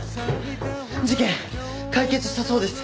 事件解決したそうです。